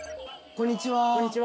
こんにちは。